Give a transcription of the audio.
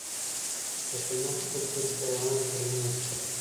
د پښتنو په کلتور کې د حیواناتو سره مینه شته.